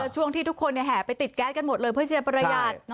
ช่วงที่ทุกคนแห่ไปติดแก๊สกันหมดเลยเพื่อจะประหยัด